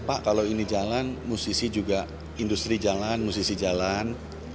pak kalau ini jalan musisi juga industri jalan musisi jalan